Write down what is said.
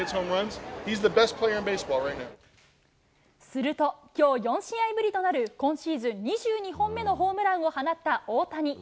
すると、きょう４試合ぶりとなる今シーズン２２本目のホームランを放った大谷。